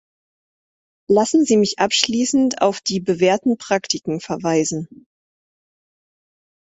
Lassen Sie mich abschließend auf die bewährten Praktiken verweisen.